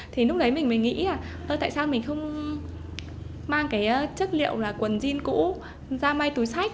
thì lúc đấy mình mới nghĩ là tại sao mình không mang cái chất liệu là quần jean cũ ra may túi sách